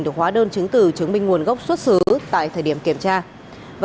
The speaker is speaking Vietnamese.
được hóa đơn chứng từ chứng minh nguồn gốc xuất xứ tại thời điểm kiểm tra